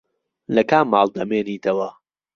لە کام ماڵ دەمێنیتەوە؟